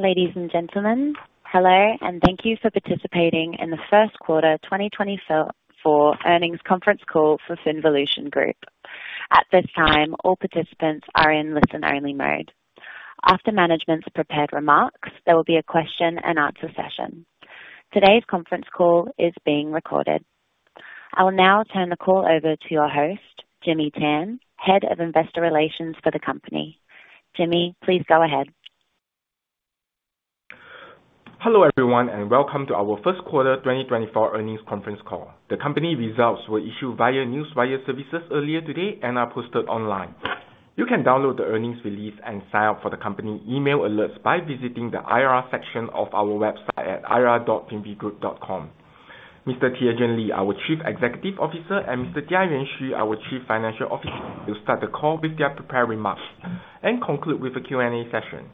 Ladies and gentlemen, hello, and thank you for participating in the first quarter 2024 for earnings conference call for FinVolution Group. At this time, all participants are in listen-only mode. After management's prepared remarks, there will be a question and answer session. Today's conference call is being recorded. I will now turn the call over to your host, Jimmy Tan, Head of Investor Relations for the company. Jimmy, please go ahead. Hello, everyone, and welcome to our first quarter 2024 earnings conference call. The company results were issued via newswire services earlier today and are posted online. You can download the earnings release and sign up for the company email alerts by visiting the IR section of our website at ir.finvigroup.com. Mr. Tiezheng Li, our Chief Executive Officer, and Mr. Jiayuan Xu, our Chief Financial Officer, will start the call with their prepared remarks and conclude with a Q&A session.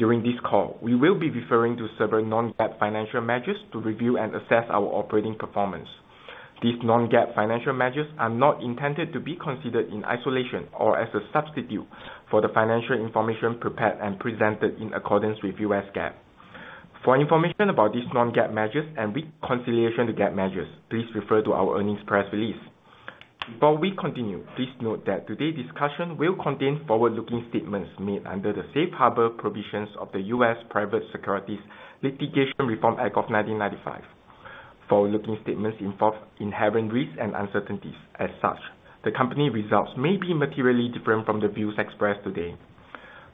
During this call, we will be referring to several non-GAAP financial measures to review and assess our operating performance. These non-GAAP financial measures are not intended to be considered in isolation or as a substitute for the financial information prepared and presented in accordance with U.S. GAAP. For information about these non-GAAP measures and reconciliation to GAAP measures, please refer to our earnings press release. Before we continue, please note that today's discussion will contain forward-looking statements made under the safe harbor provisions of the U.S. Private Securities Litigation Reform Act of 1995. Forward-looking statements involve inherent risks and uncertainties. As such, the company results may be materially different from the views expressed today.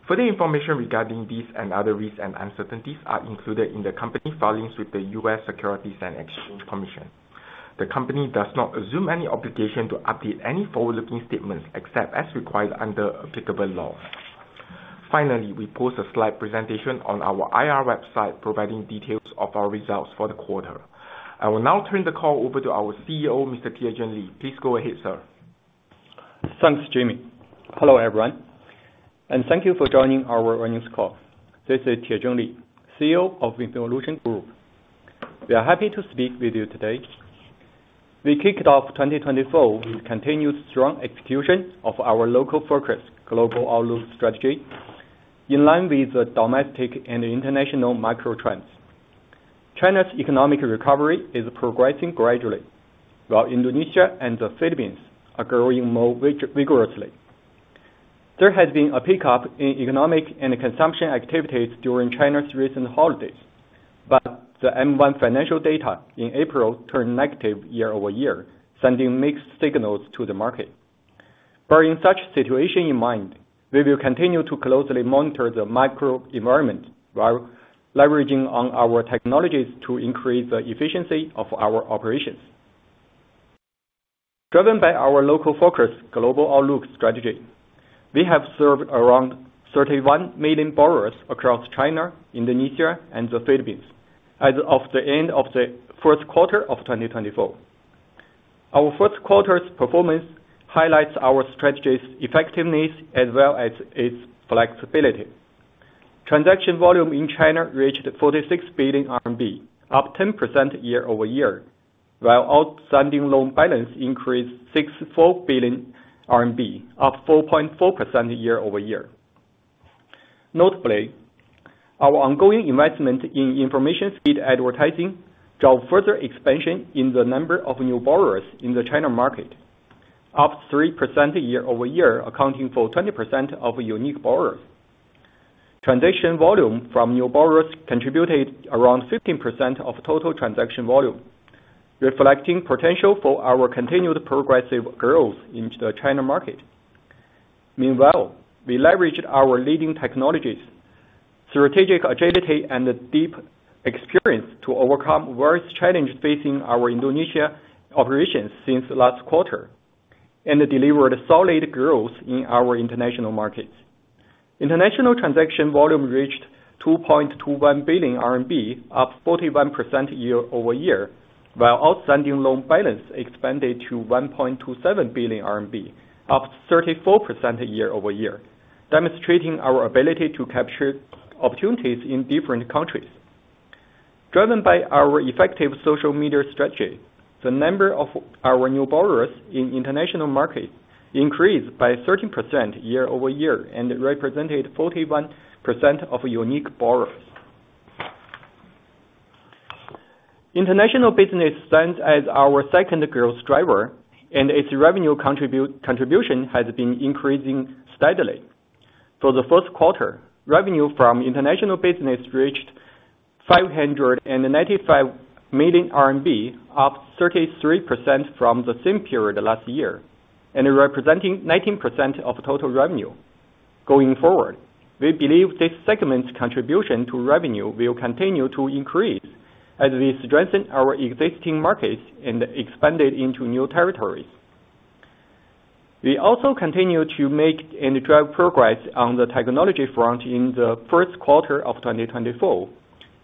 Further information regarding these and other risks and uncertainties are included in the company filings with the U.S. Securities and Exchange Commission. The company does not assume any obligation to update any forward-looking statements, except as required under applicable law. Finally, we post a slide presentation on our IR website, providing details of our results for the quarter. I will now turn the call over to our CEO, Mr. Tiezheng Li. Please go ahead, sir. Thanks, Jimmy. Hello, everyone, and thank you for joining our earnings call. This is Tiezheng Li, CEO of FinVolution Group. We are happy to speak with you today. We kicked off 2024 with continued strong execution of our local focus, global outlook strategy, in line with the domestic and international macro trends. China's economic recovery is progressing gradually, while Indonesia and the Philippines are growing more vigorously. There has been a pickup in economic and consumption activities during China's recent holidays, but the M1 financial data in April turned negative year-over-year, sending mixed signals to the market. Bearing such situation in mind, we will continue to closely monitor the macroenvironment, while leveraging on our technologies to increase the efficiency of our operations. Driven by our local focus, global outlook strategy, we have served around 31 million borrowers across China, Indonesia, and the Philippines as of the end of the first quarter of 2024. Our first quarter's performance highlights our strategy's effectiveness as well as its flexibility. Transaction volume in China reached 46 billion RMB, up 10% year-over-year, while outstanding loan balance increased 64 billion RMB, up 4.4% year-over-year. Notably, our ongoing investment in information feed advertising drove further expansion in the number of new borrowers in the China market, up 3% year-over-year, accounting for 20% of unique borrowers. Transaction volume from new borrowers contributed around 15% of total transaction volume, reflecting potential for our continued progressive growth in the China market. Meanwhile, we leveraged our leading technologies, strategic agility, and deep experience to overcome various challenges facing our Indonesia operations since last quarter, and delivered solid growth in our international markets. International transaction volume reached 2.21 billion RMB, up 41% year-over-year, while outstanding loan balance expanded to 1.27 billion RMB, up 34% year-over-year, demonstrating our ability to capture opportunities in different countries. Driven by our effective social media strategy, the number of our new borrowers in international markets increased by 13% year-over-year and represented 41% of unique borrowers. International business stands as our second growth driver, and its revenue contribution has been increasing steadily. For the first quarter, revenue from international business reached 595 million RMB, up 33% from the same period last year, and representing 19% of total revenue. Going forward, we believe this segment's contribution to revenue will continue to increase as we strengthen our existing markets and expand it into new territories. We also continue to make and drive progress on the technology front in the first quarter of 2024.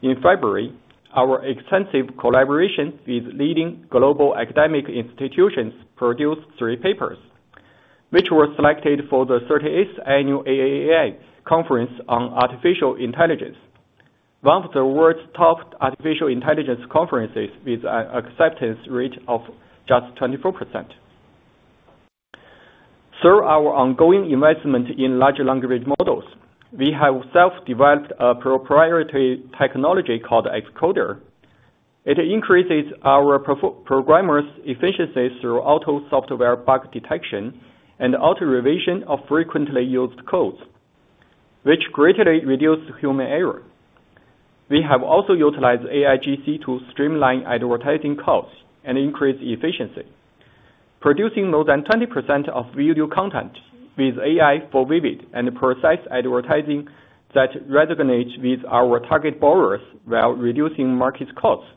In February, our extensive collaboration with leading global academic institutions produced 3 papers, which were selected for the 38th Annual AAAI Conference on Artificial Intelligence, one of the world's top artificial intelligence conferences, with an acceptance rate of just 24%.... Through our ongoing investment in large language models, we have self-developed a proprietary technology called XCoder. It increases our programmer's efficiency through auto software bug detection and auto revision of frequently used codes, which greatly reduce human error. We have also utilized AIGC to streamline advertising costs and increase efficiency, producing more than 20% of video content with AI for vivid and precise advertising that resonates with our target borrowers while reducing market costs.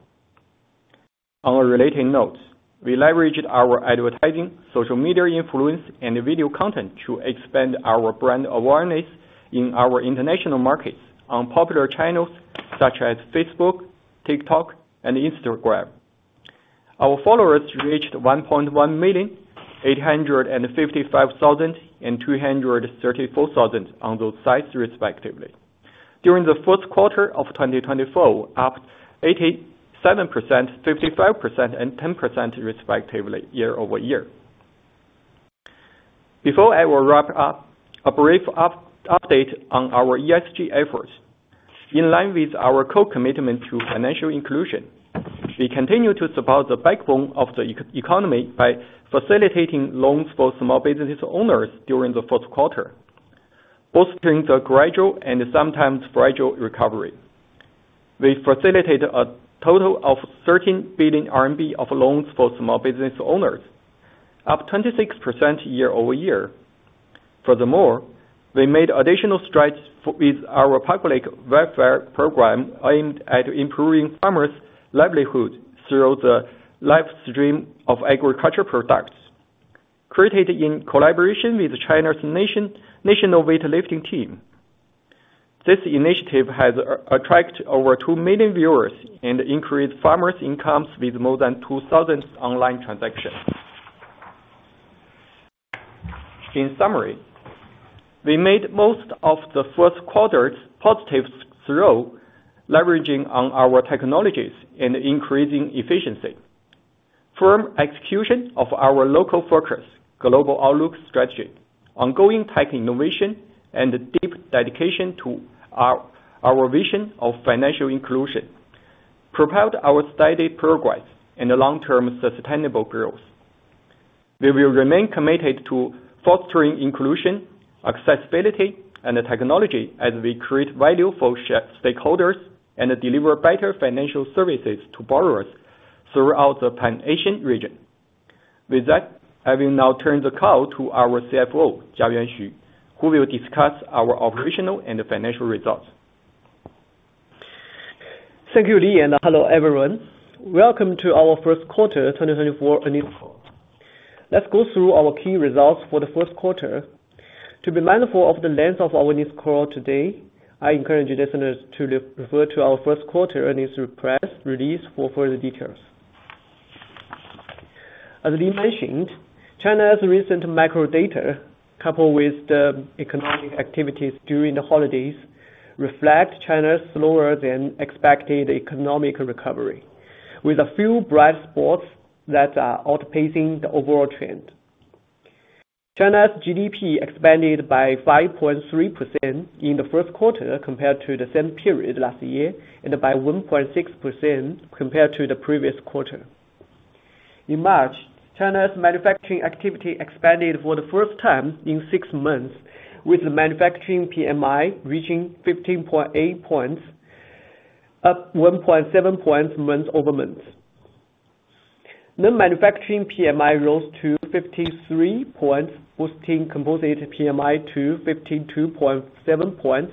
On a related note, we leveraged our advertising, social media influence, and video content to expand our brand awareness in our international markets on popular channels such as Facebook, TikTok, and Instagram. Our followers reached 1.1 million, 855,000, and 234,000 on those sites, respectively. During the fourth quarter of 2024, up 87%, 55%, and 10%, respectively, year-over-year. Before I will wrap up, a brief update on our ESG efforts. In line with our core commitment to financial inclusion, we continue to support the backbone of the economy by facilitating loans for small business owners during the first quarter, bolstering the gradual and sometimes fragile recovery. We facilitated a total of 13 billion RMB of loans for small business owners, up 26% year-over-year. Furthermore, we made additional strides with our public welfare program aimed at improving farmers' livelihood through the live stream of agriculture products, created in collaboration with China's national weightlifting team. This initiative has attracted over 2 million viewers and increased farmers' incomes with more than 2,000 online transactions. In summary, we made most of the first quarter's positives through leveraging on our technologies and increasing efficiency. Firm execution of our local focus, global outlook strategy, ongoing tech innovation, and deep dedication to our vision of financial inclusion propelled our steady progress and long-term sustainable growth. We will remain committed to fostering inclusion, accessibility, and technology as we create value for shareholders and deliver better financial services to borrowers throughout the Pan-Asian region. With that, I will now turn the call to our CFO, Jiayuan Xu, who will discuss our operational and financial results. Thank you, Li, and hello, everyone. Welcome to our first quarter 2024 earnings call. Let's go through our key results for the first quarter. To be mindful of the length of our earnings call today, I encourage listeners to refer to our first quarter earnings press release for further details. As Li mentioned, China's recent macro data, coupled with the economic activities during the holidays, reflect China's slower than expected economic recovery, with a few bright spots that are outpacing the overall trend. China's GDP expanded by 5.3% in the first quarter compared to the same period last year, and by 1.6% compared to the previous quarter. In March, China's manufacturing activity expanded for the first time in six months, with the manufacturing PMI reaching 15.8 points, up 1.7 points month-over-month. The manufacturing PMI rose to 53 points, boosting composite PMI to 52.7 points,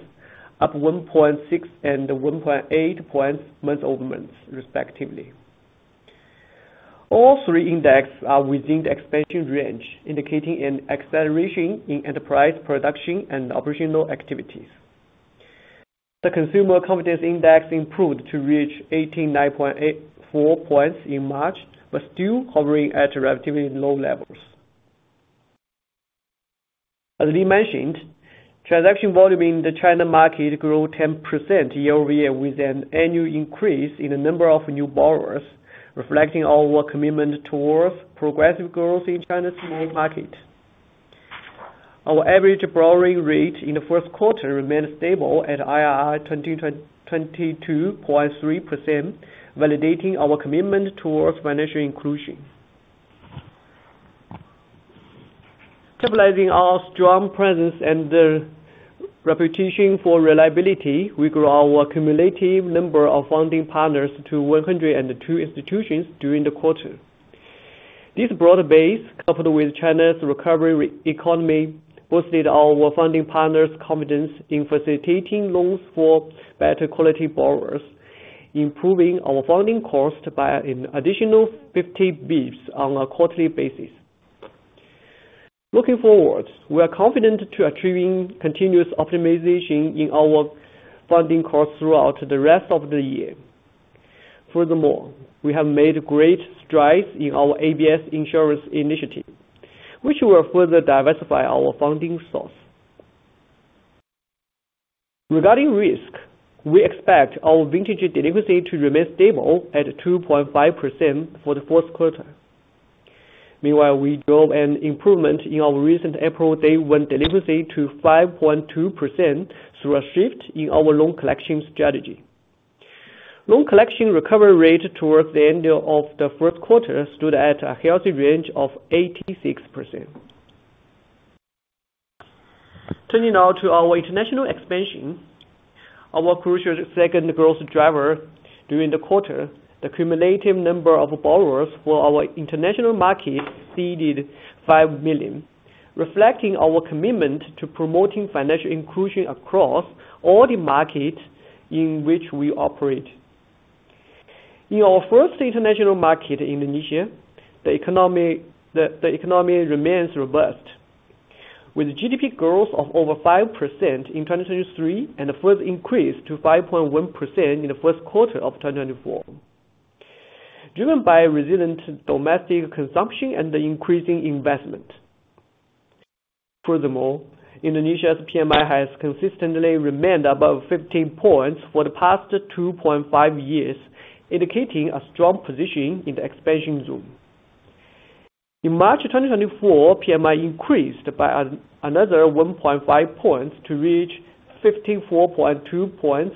up 1.6 and 1.8 points month-over-month, respectively. All three indexes are within the expansion range, indicating an acceleration in enterprise production and operational activities. The consumer confidence index improved to reach 89.84 points in March, but still hovering at relatively low levels. As Li mentioned, transaction volume in the China market grew 10% year-over-year, with an annual increase in the number of new borrowers, reflecting our commitment towards progressive growth in China's market. Our average borrowing rate in the first quarter remained stable at IRR 22.3%, validating our commitment towards financial inclusion. Capitalizing our strong presence and the reputation for reliability, we grew our cumulative number of funding partners to 102 institutions during the quarter. This broad base, coupled with China's recovering economy, boosted our funding partners' confidence in facilitating loans for better quality borrowers, improving our funding cost by an additional 50 basis points on a quarterly basis. Looking forward, we are confident to achieving continuous optimization in our funding costs throughout the rest of the year. Furthermore, we have made great strides in our ABS insurance initiative, which will further diversify our funding source. Regarding risk, we expect our vintage delinquency to remain stable at 2.5% for the fourth quarter. Meanwhile, we drove an improvement in our recent April day one delinquency to 5.2%, through a shift in our loan collection strategy. Loan collection recovery rate towards the end of the first quarter stood at a healthy range of 86%. Turning now to our international expansion, our crucial second growth driver during the quarter, the cumulative number of borrowers for our international market exceeded 5 million, reflecting our commitment to promoting financial inclusion across all the markets in which we operate. In our first international market, Indonesia, the economy remains robust, with GDP growth of over 5% in 2023, and a further increase to 5.1% in the first quarter of 2024, driven by resilient domestic consumption and increasing investment. Furthermore, Indonesia's PMI has consistently remained above 15 points for the past 2.5 years, indicating a strong position in the expansion zone. In March 2024, PMI increased by another 1.5 points to reach 54.2 points.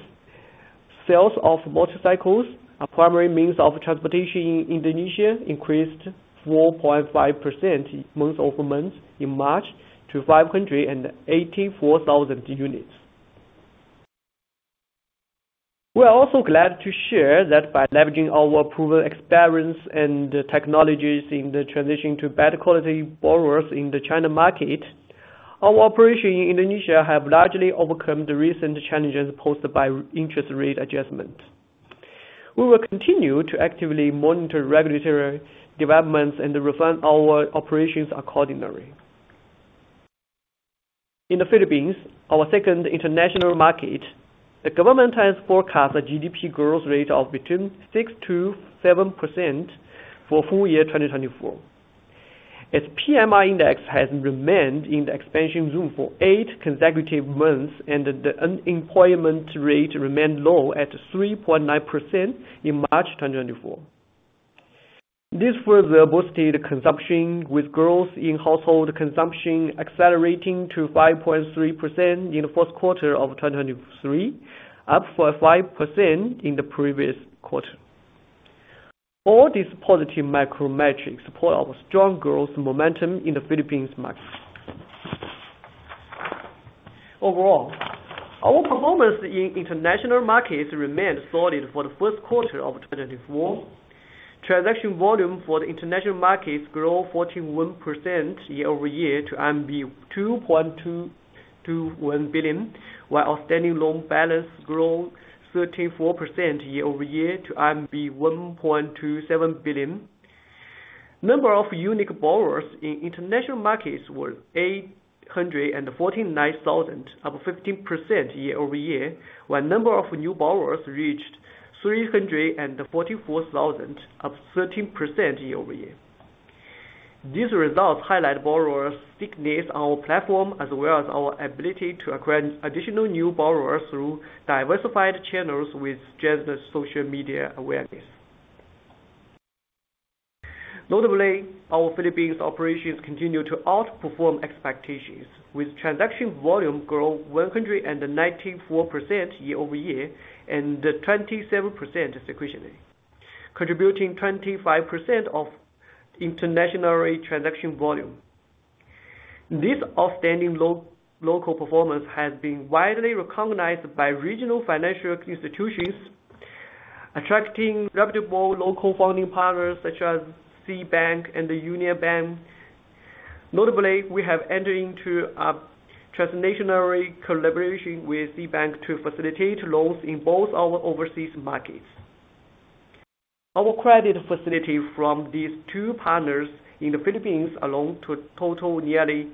Sales of motorcycles, a primary means of transportation in Indonesia, increased 4.5% month-over-month in March to 584,000 units. We are also glad to share that by leveraging our proven experience and technologies in the transition to better quality borrowers in the China market, our operation in Indonesia have largely overcome the recent challenges posed by interest rate adjustments. We will continue to actively monitor regulatory developments and refine our operations accordingly. In the Philippines, our second international market, the government has forecast a GDP growth rate of between 6%-7% for full year 2024. Its PMI index has remained in the expansion zone for eight consecutive months, and the unemployment rate remained low at 3.9% in March 2024. This further boosted consumption, with growth in household consumption accelerating to 5.3% in the fourth quarter of 2023, up from 5% in the previous quarter. All these positive macro metrics support our strong growth momentum in the Philippines market. Overall, our performance in international markets remained solid for the first quarter of 2024. Transaction volume for the international markets grew 41% year-over-year to 2.221 billion, while outstanding loan balance grew 34% year-over-year to 1.27 billion. Number of unique borrowers in international markets were 849,000, up 15% year-over-year, while number of new borrowers reached 344,000, up 13% year-over-year. These results highlight borrowers' stickiness on our platform, as well as our ability to acquire additional new borrowers through diversified channels with just social media awareness. Notably, our Philippines operations continue to outperform expectations, with transaction volume grow 194% year-over-year, and 27% sequentially, contributing 25% of international transaction volume. This outstanding local performance has been widely recognized by regional financial institutions, attracting reputable local funding partners such as SeaBank and the UnionBank. Notably, we have entered into a transactional collaboration with SeaBank to facilitate loans in both our overseas markets. Our credit facility from these two partners in the Philippines alone to total nearly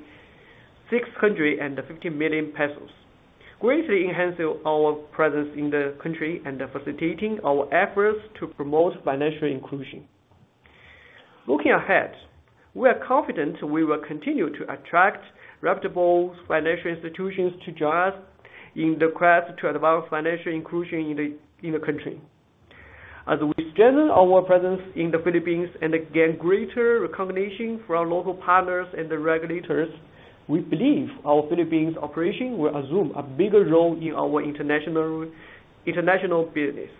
650 million pesos, greatly enhancing our presence in the country and facilitating our efforts to promote financial inclusion. Looking ahead, we are confident we will continue to attract reputable financial institutions to join us in the quest to advance financial inclusion in the country. As we strengthen our presence in the Philippines and gain greater recognition from local partners and the regulators, we believe our Philippines operation will assume a bigger role in our international, international business.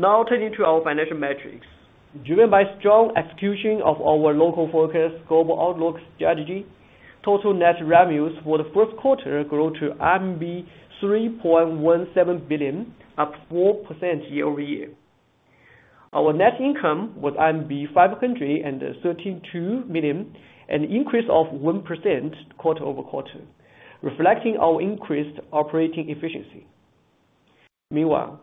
Now, turning to our financial metrics. Driven by strong execution of our local focus, global outlook strategy, total net revenues for the first quarter grew to RMB 3.17 billion, up 4% year-over-year. Our net income was RMB 532 million, an increase of 1% quarter-over-quarter, reflecting our increased operating efficiency. Meanwhile,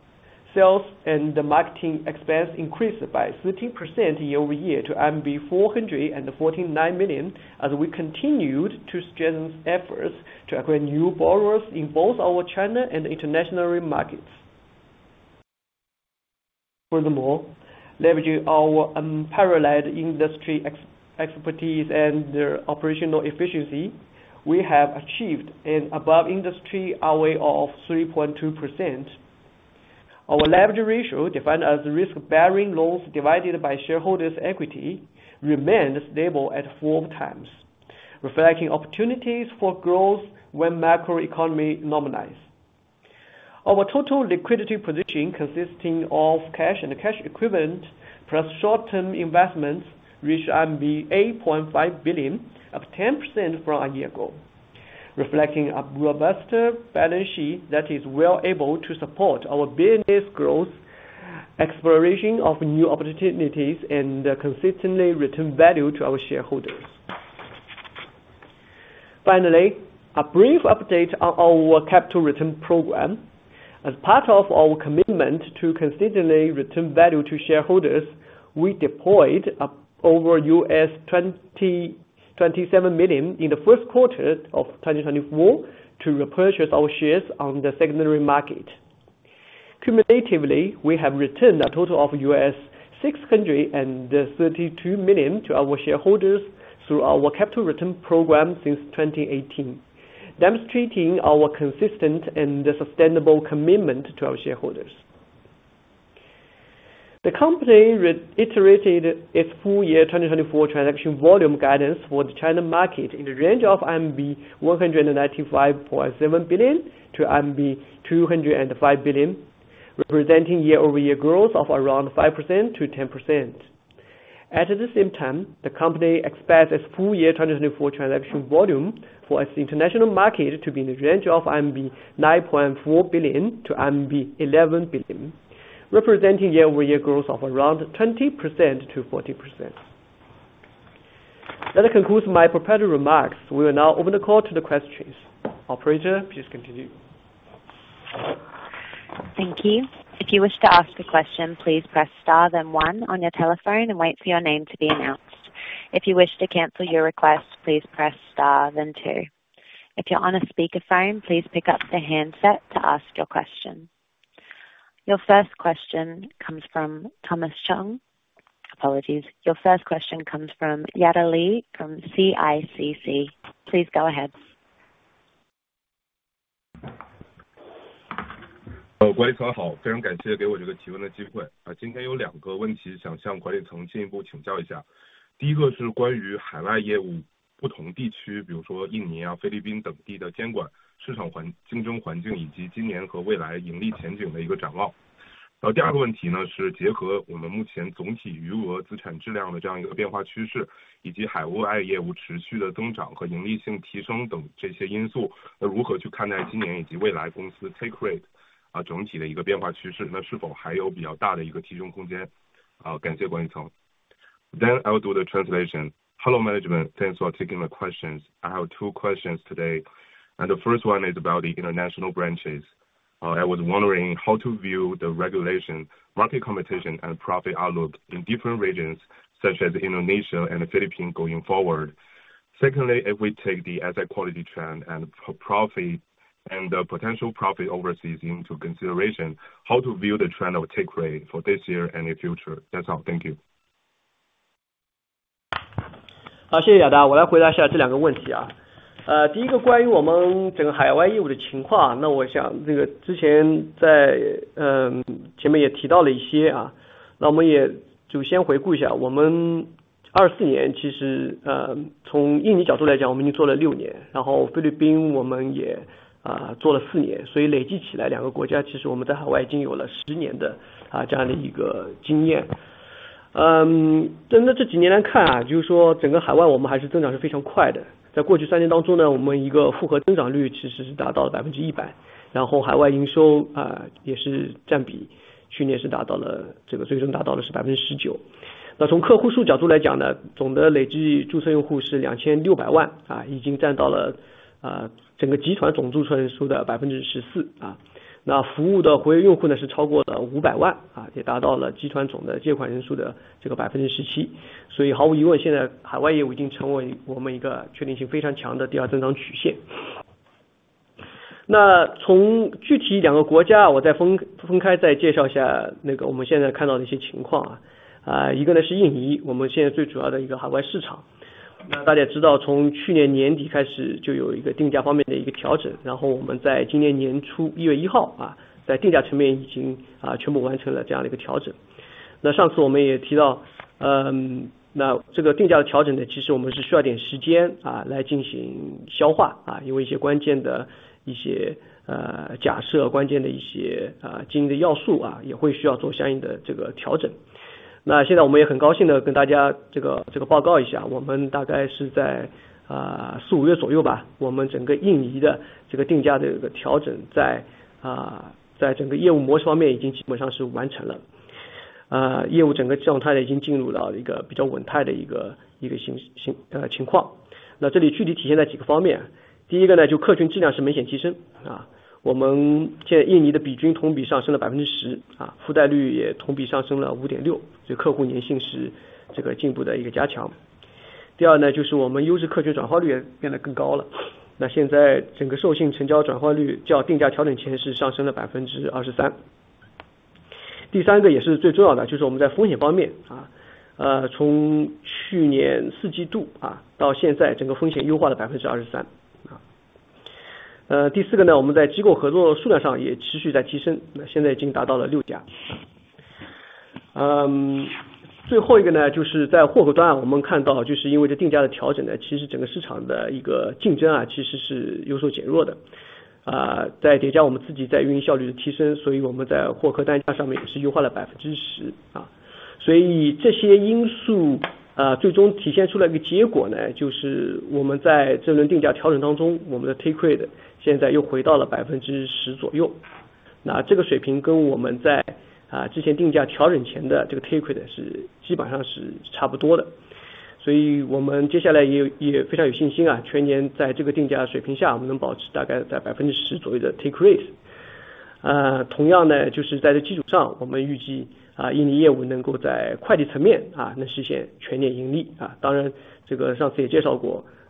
sales and marketing expense increased by 13% year-over-year to 449 million, as we continued to strengthen efforts to acquire new borrowers in both our China and international markets.... Furthermore, leveraging our unparalleled industry expertise and operational efficiency, we have achieved an above industry ROE of 3.2%. Our leverage ratio, defined as risk-bearing loans divided by shareholders' equity, remains stable at four times, reflecting opportunities for growth when macro economy normalize. Our total liquidity position, consisting of cash and cash equivalents plus short-term investments, reach 8.5 billion, up 10% from a year ago, reflecting a robust balance sheet that is well able to support our business growth, exploration of new opportunities and consistently return value to our shareholders. Finally, a brief update on our capital return program. As part of our commitment to consistently return value to shareholders, we deployed up over $22.7 million in the first quarter of 2024 to repurchase our shares on the secondary market. Cumulatively, we have returned a total of $632 million to our shareholders through our capital return program since 2018, demonstrating our consistent and sustainable commitment to our shareholders. The company reiterated its full year 2024 transaction volume guidance for the China market in the range of 195.7 billion-205 billion RMB, representing year-over-year growth of around 5%-10%. At the same time, the company expects its full year 2024 transaction volume for its international market to be in the range of 9.4 billion-11 billion, representing year-over-year growth of around 20%-40%. That concludes my prepared remarks. We will now open the call to the questions. Operator, please continue. Thank you. If you wish to ask a question, please press star then one on your telephone and wait for your name to be announced. If you wish to cancel your request, please press star then two. If you're on a speakerphone, please pick up the handset to ask your question. Your first question comes from Thomas Chong... Apologies, your first question comes from Yada Li from CICC. Please go ahead. Hello, management, thanks for taking my questions. I have two questions today, and the first one is about the international branches. I was wondering how to view the regulation, market competition and profit outlook in different regions such as Indonesia and the Philippines, going forward. Secondly, if we take the asset quality trend and pro-profit, and the potential profit overseas into consideration, how to view the trend of take rate for this year and the future? That's all. Thank you.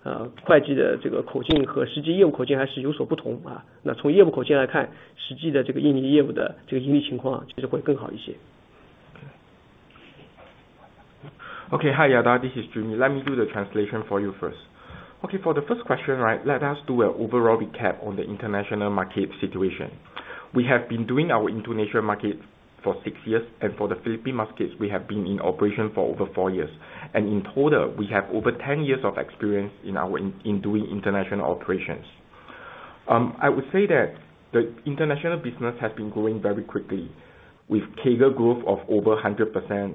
rate。同样呢，就是在基础上的，我们预计，印尼业务能够会在计层面，能实现全年盈利。当然，这个上次也介绍过，会计的这个口径和实际业务口径还是有所不同，那从业务口径来看，实际的这个印尼业务的这个盈利情况其实会更好一些。This is Jimmy, let me do the translation for you first. OK, for the first question, right? Let us do well overall we cap on the international market situation. We have been doing our international market for six years, and for the Philippines we have been in operation for over 4 years, and in total we have over 10 years of experience in our doing international operations. I would say that the international business has been growing very quickly with CAGR growth of over 100%...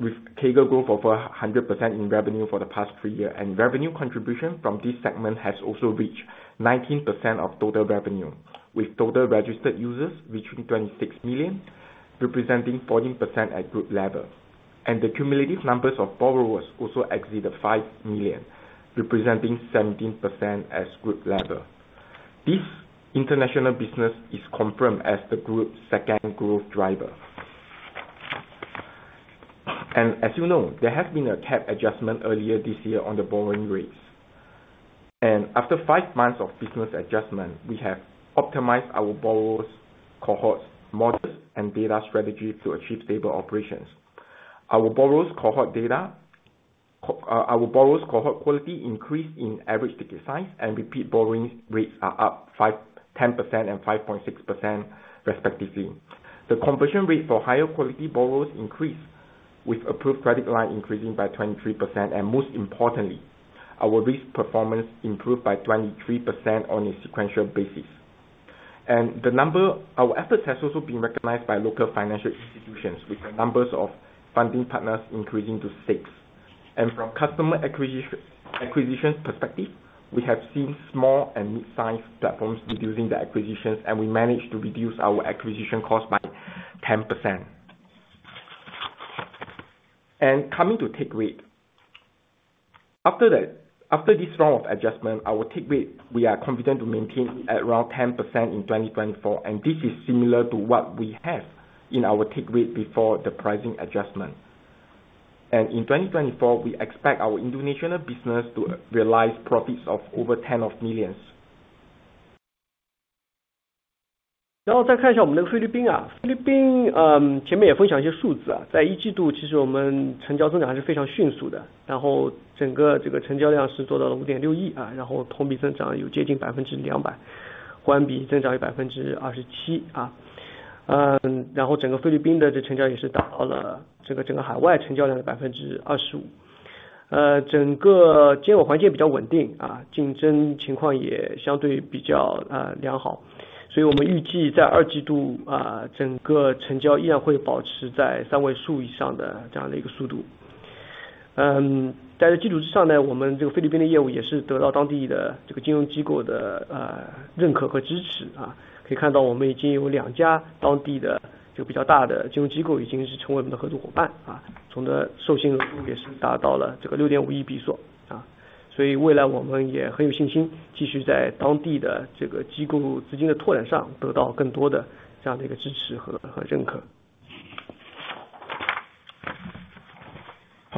with CAGR growth over 100% in revenue for the past 3 years, and revenue contribution from this segment has also reached 19% of total revenue, with total registered users reaching 26 million, representing 14% at group level. And the cumulative numbers of borrowers also exceed 5 million, representing 17% as group level. This international business is confirmed as the group's second growth driver. And as you know, there have been a cap adjustment earlier this year on the borrowing rates, and after 5 months of business adjustment, we have optimized our borrowers cohorts models and data strategy to achieve stable operations. Our borrowers cohort data, our borrowers cohort quality increase in average ticket size and repeat borrowing rates are up 5, 10% and 5.6% respectively. The conversion rate for higher quality borrowers increase, with approved credit line increasing by 23%. And most importantly, our risk performance improved by 23% on a sequential basis. And the number our efforts has also been recognized by local financial institutions, with numbers of funding partners increasing to 6. And from customer acquisition, acquisition perspective, we have seen small and midsize platforms reducing their acquisitions, and we managed to reduce our acquisition costs by 10%. And coming to take rate, after that, after this round of adjustment, our take rate we are confident to maintain at around 10% in 2024, and this is similar to what we have in our take rate before the pricing adjustment. And in 2024, we expect our international business to realize profits of over 10 million. Then let's take another look at our Philippines. Earlier we also shared some numbers. In the first quarter, actually our transaction growth is still very rapid. Then the entire transaction volume reached PHP 560 million. Then year-over-year growth is close to 200%, quarter-over-quarter growth is 27%. Then the entire Philippines transaction also reached 25% of the entire overseas transaction volume. The entire regulatory environment is relatively stable. The competition situation is also relatively good. So we expect that in the second quarter, the entire transaction will still maintain such a speed of over three digits. On this basis, our Philippines business also received recognition and support from the local financial institutions. We can see that we already have two local relatively large financial institutions that have become our partners. The total credit limit also reached PHP 650 million. So in the future we also have great confidence to continue to obtain more such support and recognition in the expansion of local institutional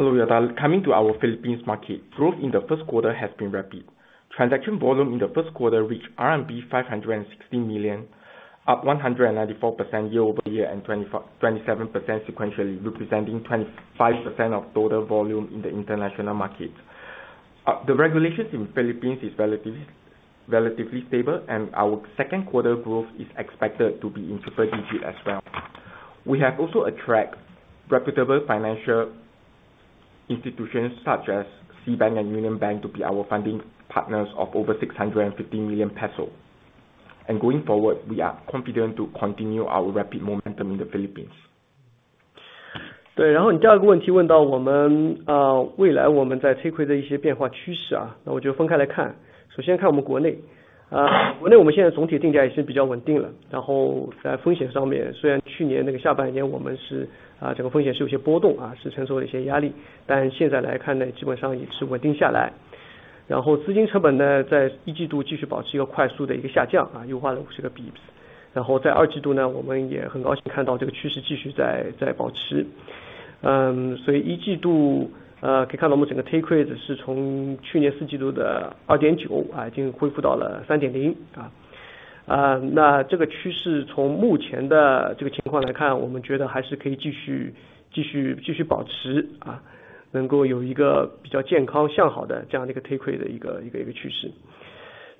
funding. coming to our Philippines market, growth in the first quarter has been rapid. Transaction volume in the first quarter reached RMB 560 million, up 194% year-over-year, and 25%-27% sequentially, representing 25% of total volume in the international market. The regulations in Philippines are relatively, relatively stable, and our second quarter growth is expected to be in double digits as well. We have also attracted reputable financial institutions such as SeaBank and UnionBank to be our funding partners of over 650 million pesos. Going forward, we are confident to continue our rapid momentum in the Philippines.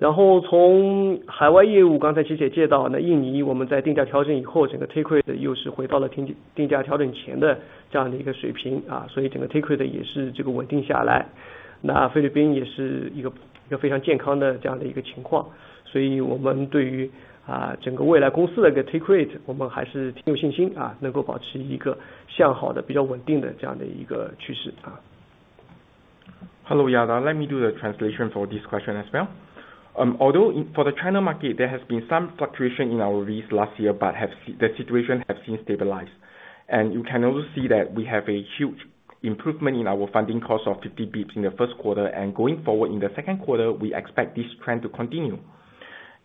rate的趋势。然后从海外业务，刚才姐姐介绍到，那印尼我们在定价调整以后，整个take rate又是回到了定价调整前的这样的一个水平，所以整个take rate也是这个稳定下来。那菲律宾也是一个非常健康这样的一个情况。所以我们对于，整个未来公司的take rate，我们还是挺有信心，能够保持一个向好的比较稳定的这样的一个趋势。Let me do the translation for this question as well. Although for the China market, there has been some fluctuation in our lease last year, but the situation has stabilized. And you can also see that we have a huge improvement in our funding cost of 50 basis points in the first quarter and going forward in the second quarter, we expect this trend to continue,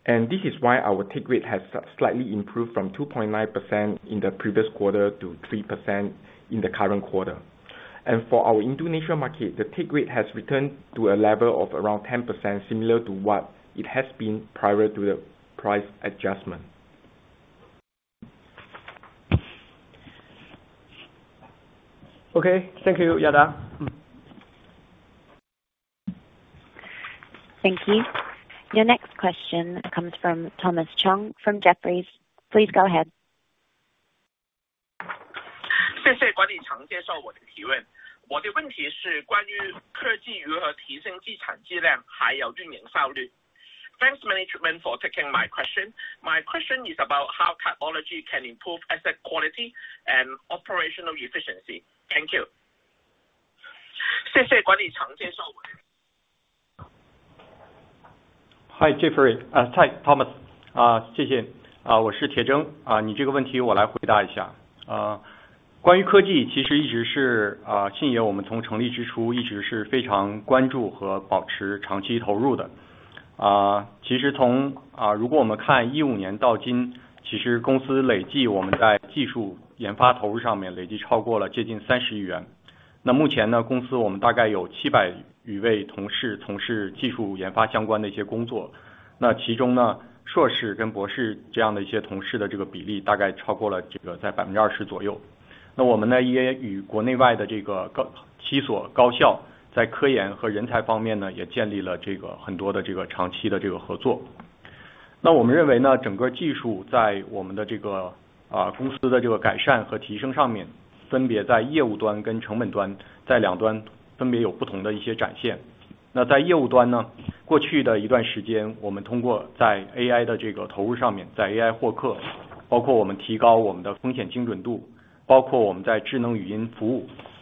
and this is why our take rate has slightly improved from 2.9% in the previous quarter to 3% in the current quarter. And for our Indonesia market, the take rate has returned to a level of around 10%, similar to what it has been prior to the price adjustment. OK, thank you, Yada. Thank you. Your next question comes from Thomas Chong from Jefferies. Please go ahead. 谢谢管理层接受我的提问，我的問題是关于科技如何提升资产质量，还有运营效率。Thanks management for taking my question. My question is about how technology can improve asset quality and operational efficiency. Thank you. 谢谢管理层接受我。Hi, Jefferies, Thomas, thank you. I am Tiezheng. I'll answer your question.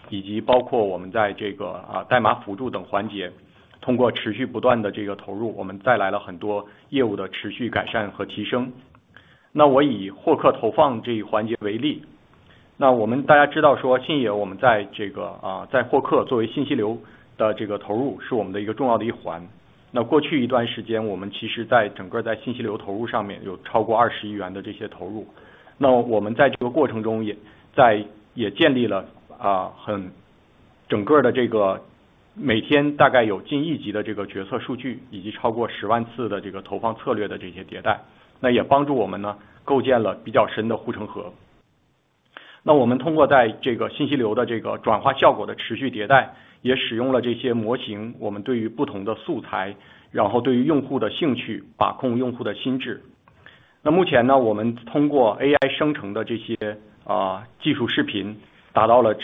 Regarding technology, actually, it has always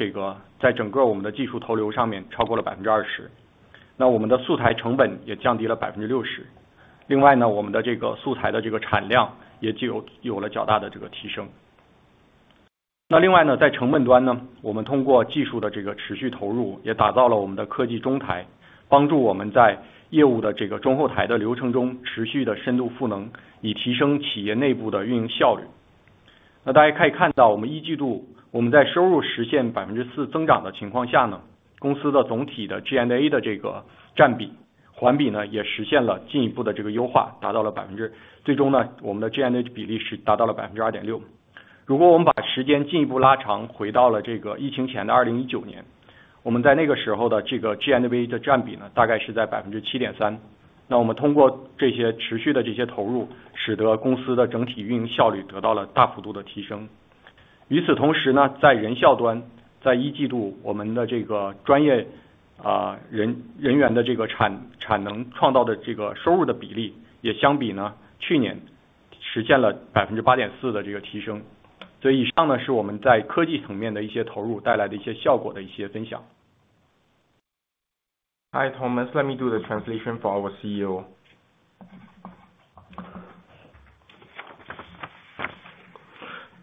been, actually, FinVolution,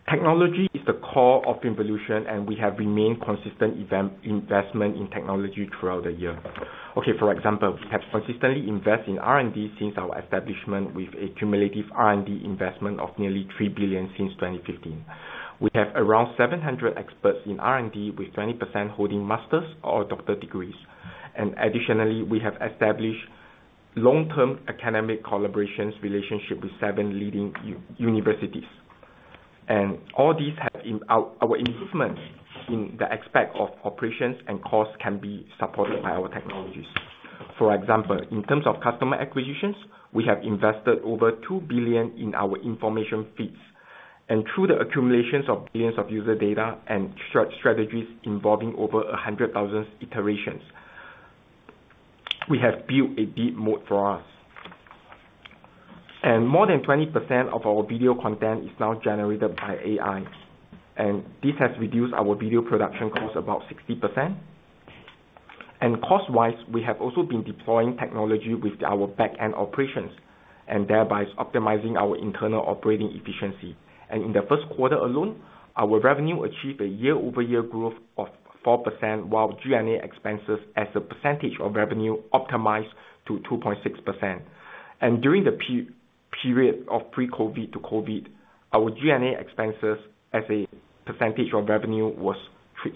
Technology is the core of evolution, and we have remained consistent investment in technology throughout the year. OK, for example, we have consistently invested in R&D since our establishment with a cumulative R&D investment of nearly 3 billion since 2015. We have around 700 experts in R&D, with 20% holding master's or doctoral degrees. Additionally, we have established long-term academic collaborations, relationships with 7 leading universities. And all these have in our improvements in the aspect of operations and cost can be supported by our technologies. For example, in terms of customer acquisitions, we have invested over 2 billion in our information feeds, and through the accumulations of billions of user data and strategies involving over 100,000 iterations, we have built a deep moat for us. And more than 20% of our video content is now generated by AI, and this has reduced our video production costs about 60%. And cost wise, we have also been deploying technology with our back end operations, and thereby optimizing our internal operating efficiency. And in the first quarter alone, our revenue achieved a year-over-year growth of 4%, while G&A expenses as a percentage of revenue optimized to 2.6%. And during the period of pre-COVID to COVID, our G&A expenses as a percentage of revenue was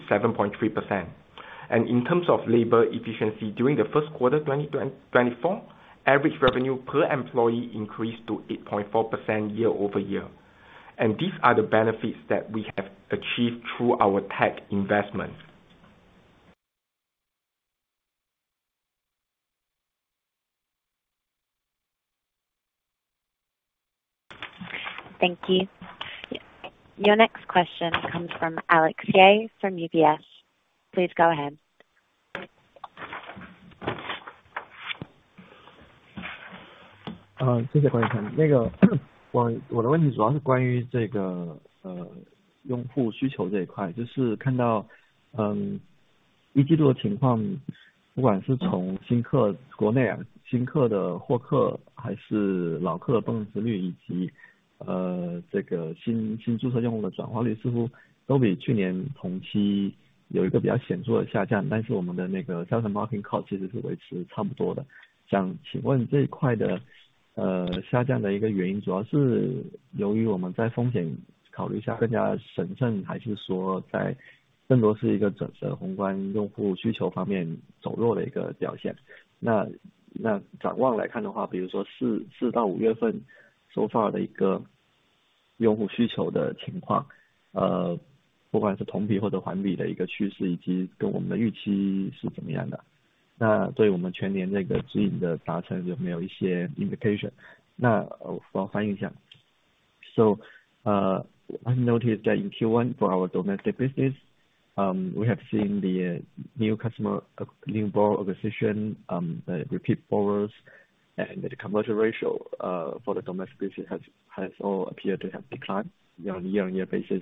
7.3%. And in terms of labor efficiency during the first quarter 2024, average revenue per employee increased to 8.4% year-over-year. And these are the benefits that we have achieved through our tech investment. Thank you! Your next question comes from Alex Ye, from UBS. Please go ahead. 谢谢，我的问题主要是关于这个，用户需求这一块，就是看到，一季度的状况，不管是从新客，国内新客的获客，还是老客的渗透率，以及，这个新注册用户的转化率，似乎都比去年同期有一个比较显著的下降，但是我们的那个 sales marketing cost 其实是维持差不多的。想请问这一块的，下降的一个原因，主要是由于我们在风险考虑下更加谨慎，还是说在更多是一个整体宏观用户需求方面走弱的一个表现？那，展望来看的话，比如说四到五月份感受到的一个用户需求的情况，不管是同比或者环比的一个趋势，以及跟我们的预期是怎么样的，那对我们全年这个经营的达成有没有一些 indication？那我翻译一下。So, I've noticed that in Q1 for our domestic business, we have seen the new customer new borrow position, repeat borrowers and the conversion ratio for the domestic business has all appeared to have declined on a year-over-year basis.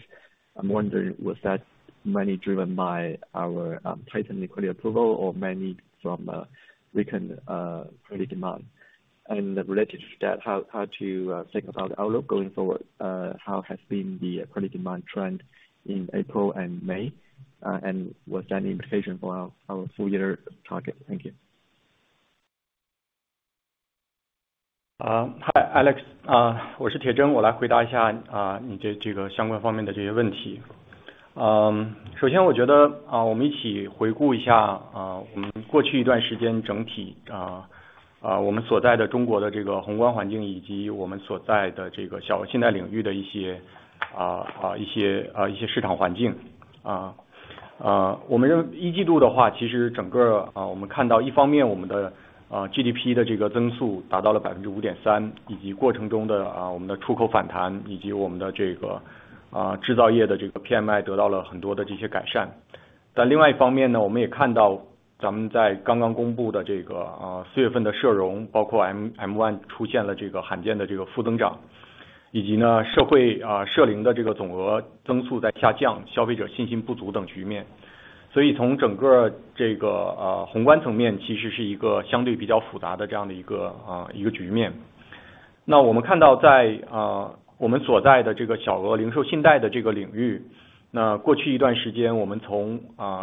I'm wondering was that mainly driven by our tighten liquidity approval or mainly from weakened credit demand? And related to that, how to think about the outlook going forward? How has been the credit demand trend in April and May? And what's that indication for our full year target? Thank you. Hi Alex, I am Tiezheng Li. I come to answer your, this related aspects of these questions. First I think, let's review together our past period overall, the macro environment in China where we are, and some, some market environments in the small loan field where we are. For our first quarter, actually overall, we see on one hand our GDP growth reached 5.3%, and in the process, our export rebound, and our manufacturing PMI got a lot of these improvements. But on the other hand, we also see in the just announced April social financing, including M1 appeared this rare negative growth, and social retail total amount growth is declining, consumer confidence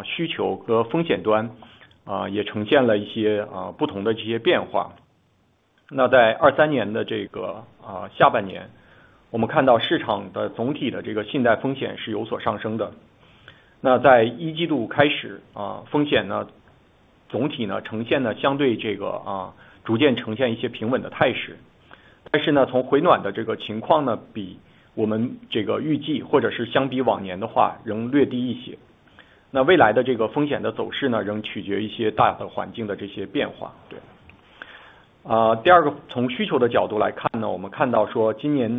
insufficient etc situation. So from the overall macro level, actually it is a relatively complex such a situation. Then we see in the small retail loan field where we are, that in the past period we from demand and risk end also presented some different these changes. Then in 2023's second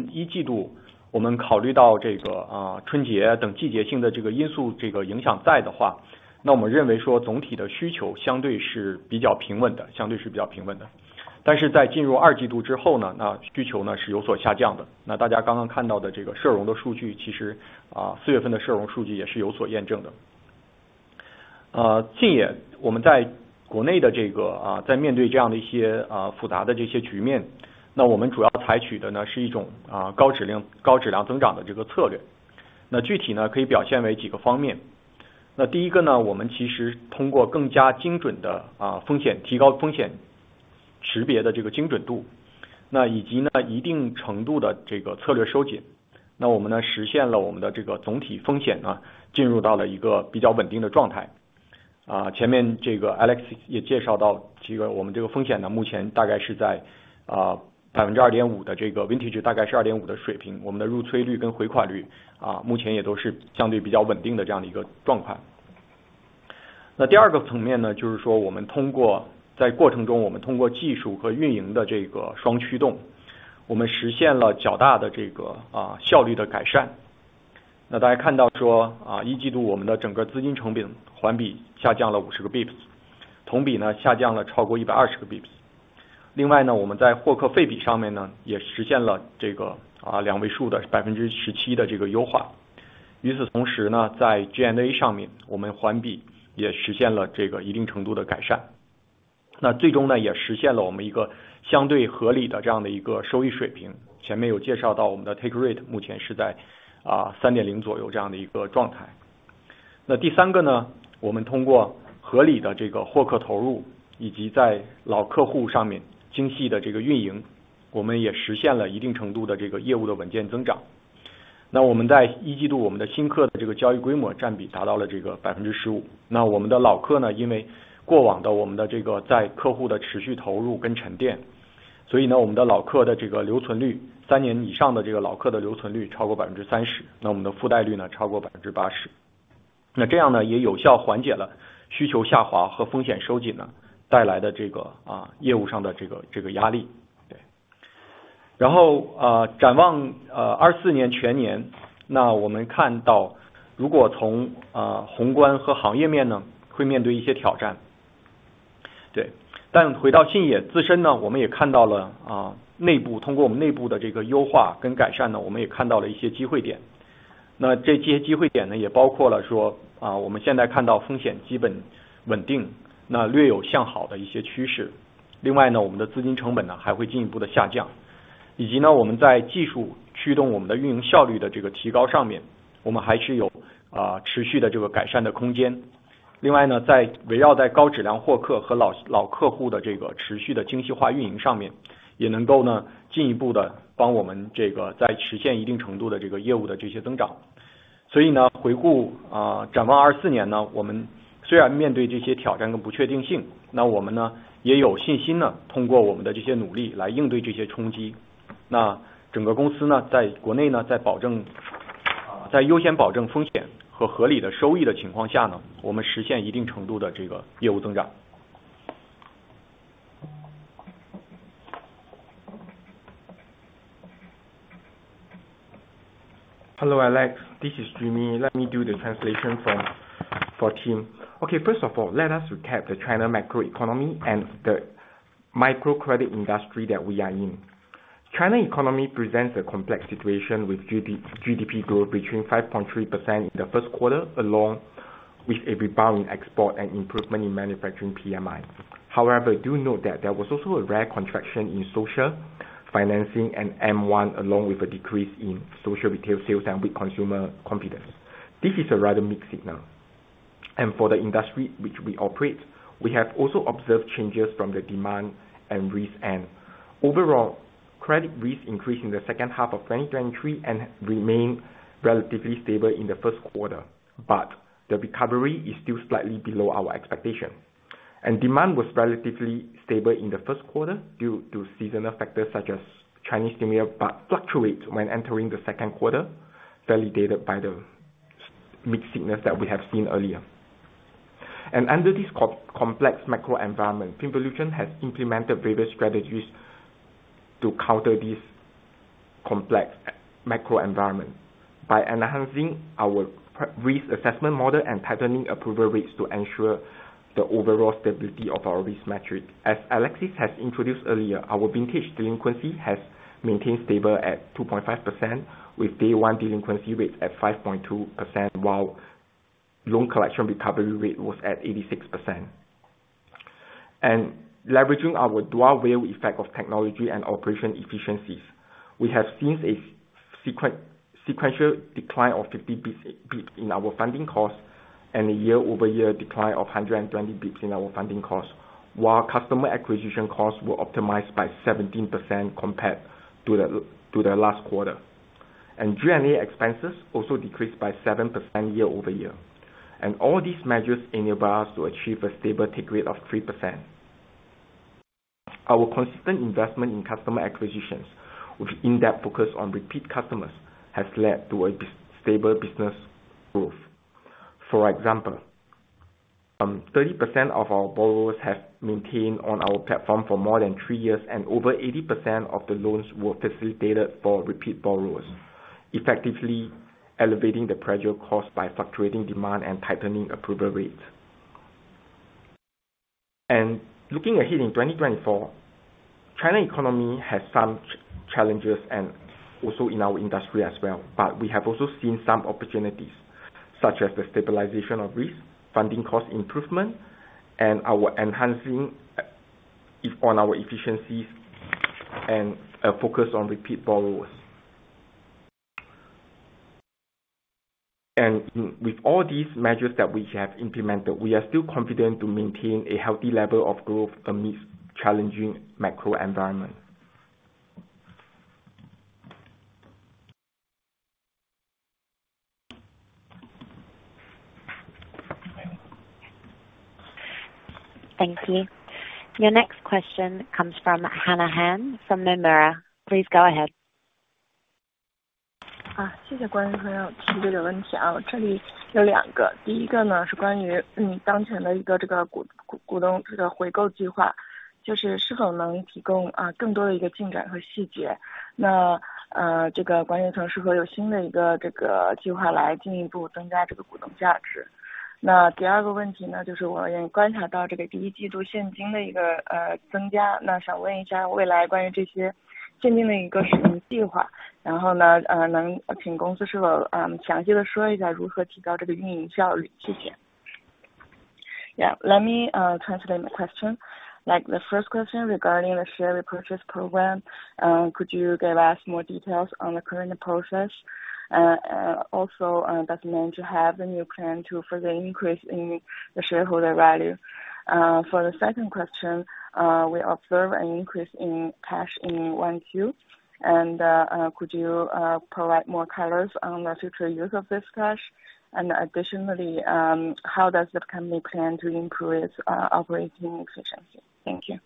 half year, we see the market's overall credit risk has risen somewhat. Then at the beginning of first quarter, risk overall presented relatively gradually presenting some stable trends. But from the warming situation, compared to our expected or compared to previous years still slightly lower some. Then future's this risk's trend still depends on some big environments' these changes, right. Second, from the demand's angle to see, we see say this year first quarter, we consider this Spring Festival etc seasonal factor, this influence. Then we think overall demand relatively is comparatively stable, relatively is comparatively stable. But in entering second quarter after, then demand is has some decline. Then everyone just saw this social financing's data, actually, April's social financing data also is has some verified. Recent years we in domestic's this in facing such some complex these situations, then we mainly take is a kind high quality, high quality growth's this strategy. Then specifically can be expressed as several aspects. Then first, we actually through more precise risk, improve risk. 通过识别的这个精准度，以及一定程度的这个策略收紧，那我们实现了我们的这个总体风险，进入到了一个比较稳定的状态。前面这个Alex Ye也介绍到，这个我们的这个风险，目前大概是在2.5%的这个，vintage大概是2.5的水平，我们的入催率跟回款率，目前也都是相对比较稳定的这样状态。那第二个层面，就是说我们通过在过程中，我们通过技术和运营的这个双驱动，我们实现了较大的这个效率的改善。大家看到说，一季度我们的整个资金成本环比下降了50个basis points，同比下降了超过120个basis points。另外，我们在获客费比上面，也实现了这个，两位数的17%的这个优化。与此同时，在G&A上面，我们环比也实现了这个一定程度的改善，那最终也实现了我们一个相对合理的这样的一个收益水平。前面有介绍到，我们的take rate 目前是在3.0左右这样的一个状态。this is Jimmy. Let me do the translation for the team. OK, first of all, let us recap the China macro economy and the micro credit industry that we are in. China economy presents a complex situation with GDP growth between 5.3% in the first quarter, along with a rebound in export and improvement in manufacturing PMI. However, do note that there was also a rare contraction in social financing and M1, along with a decrease in social retail sales and with consumer confidence. This is a rather mixed signal, and for the industry which we operate, we have also observed changes from the demand and risk, and overall credit risk increased in the second half of 2023 and remain relatively stable in the first quarter, but the recovery is still slightly below our expectation, and demand was relatively stable in the first quarter due to seasonal factors such as Chinese New Year, but fluctuates when entering the second quarter, validated by the mixed signals that we have seen earlier. Under this complex macro environment, FinVolution has implemented various strategies to counter this complex macro environment by enhancing our risk assessment model and patterning approval rates to ensure the overall stability of our risk metric. As Alexis has introduced earlier, our vintage delinquency has maintained stable at 2.5%, with day one delinquency rates at 5.2%, while loan collection recovery rate was at 86%. Leveraging our dual role effect of technology and operation efficiencies, we have seen a sequential decline of 50 basis points in our funding costs and a year-over-year decline of 120 basis points in our funding costs, while customer acquisition costs were optimized by 17% compared to the last quarter. G&A expenses also decreased by 7% year-over-year, and all these measures enable us to achieve a stable take rate of 3%. Our consistent investment in customer acquisitions, with in-depth focus on repeat customers, has led to a stable business growth. For example, 30% of our borrowers have maintained on our platform for more than 3 years, and over 80% of the loans were facilitated for repeat borrowers, effectively elevating the pressure caused by fluctuating demand and tightening approval rates. Looking ahead in 2024, China economy has some challenges and also in our industry as well. We have also seen some opportunities, such as the stabilization of risk, funding cost improvement and our enhancing on our efficiencies and a focus on repeat borrowers. ...with all these measures that we have implemented, we are still confident to maintain a healthy level of growth amidst challenging macro environment. Thank you. Your next question comes from Hannah Han from Nomura. Please go ahead. 谢谢，关于让我提这个问题，我这里有两个，第一个呢，是关于你当前的股东回购计划，就是是否能提供更多的进展和细节，那，这个管理层是否有一个计划来进一步增加股东价值。那第二个问题呢，就是我也观察到这个第一季度现金的增加，那想问一下未来关于这些现金的使用计划，然后呢，能请公司详细的说一下如何提高这个运营效率，谢谢。Yeah, let me translate the question. Like the first question regarding the share repurchase program. Also, does management have a new plan to further increase in the shareholder value? For the second question, we observe an increase in cash in 1Q, and could you provide more colors on the future use of this cash? And additionally, how does the company plan to increase operating efficiency? Thank you.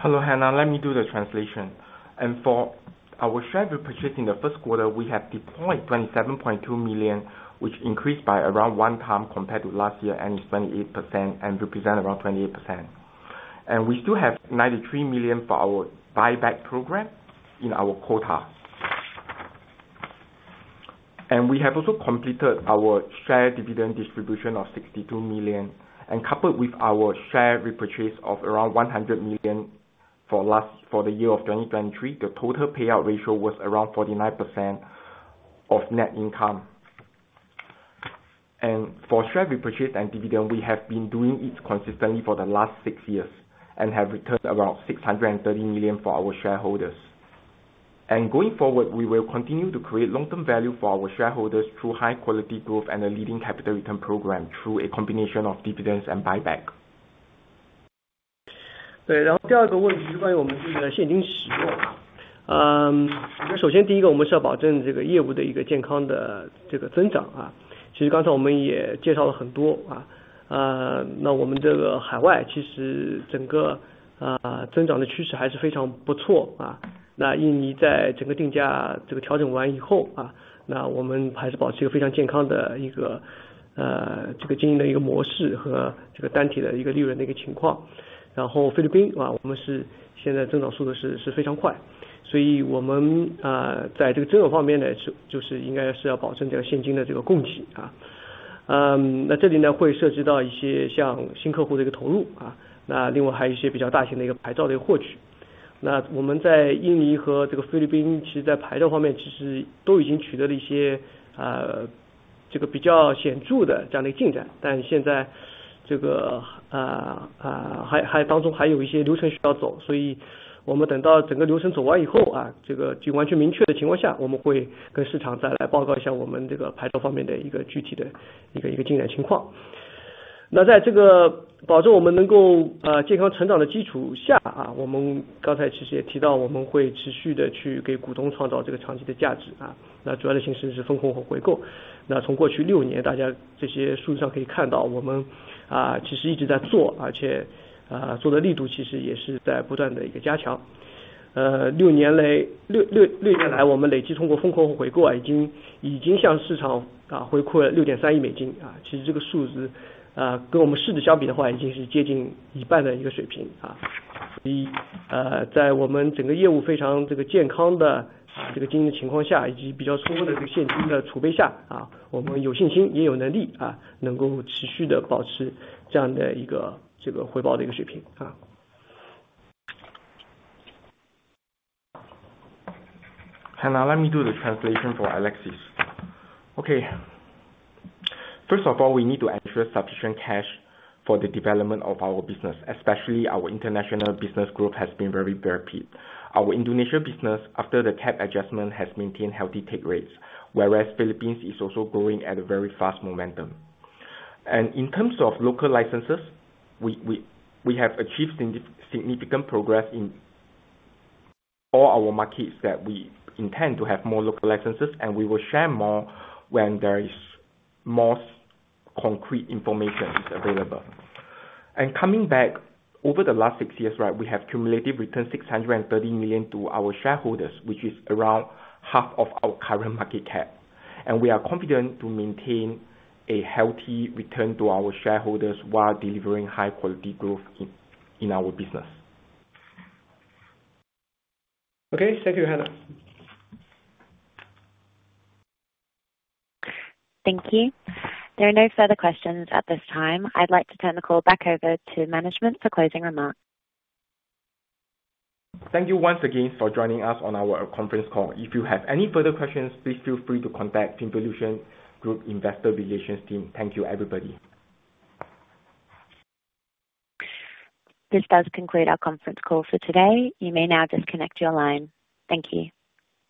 Hello, Hannah, let me do the translation. For our share repurchase in the first quarter, we have deployed $27.2 million, which increased by around one time compared to last year and represents around 28%. And we still have $93 million for our buyback program in our quota. And we have also completed our share dividend distribution of $62 million, and coupled with our share repurchase of around $100 million for the year of 2023, the total payout ratio was around 49% of net income. For share repurchase and dividend, we have been doing it consistently for the last six years, and have returned around $630 million for our shareholders. Going forward, we will continue to create long-term value for our shareholders through high quality growth and a leading capital return program through a combination of dividends and buyback. million。其实这个数字，跟我们市值相比的话，已经是接近一半的一个水平啊。以，在我们整个业务非常这个健康的这个经营情况下，以及比较充分的这个现金的储备下，我们有信心也有能力，能够持续地保持这样的一个这个回报的一个水平。Hannah, let me do the translation for Alexis. OK, first of all, we need to ensure sufficient cash for the development of our business, especially our international business growth has been very rapid. Our Indonesia business, after the cap adjustment, has maintained healthy take rates, whereas Philippines is also growing at a very fast momentum. In terms of local licenses, we have achieved significant progress in all our markets that we intend to have more local licenses, and we will share more when there is more concrete information available. Coming back over the last six years, right? We have cumulatively returned $630 million to our shareholders, which is around half of our current market cap, and we are confident to maintain a healthy return to our shareholders while delivering high quality growth in our business. OK, thank you, Hannah. Thank you. There are no further questions at this time. I'd like to turn the call back over to management for closing remarks. Thank you once again for joining us on our conference call. If you have any further questions, please feel free to contact FinVolution Group Investor Relations Team. Thank you everybody! This does conclude our conference call for today. You may now disconnect your line. Thank you.